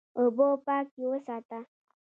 اوبه پاکې وساته.